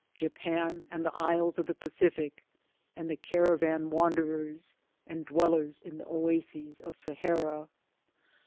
J apan and the Isles of the Pacific, and the caravan wanderers and dwellers in the oases of Sahara.